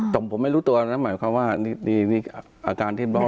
ต่อผมไม่รู้ตัวอันนั้นหมายความว่านี่อาการที่บวม